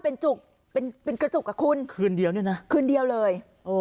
เป็นจุกเป็นกระจุกกับคุณคืนเดียวเนี่ยนะคืนเดียวเลย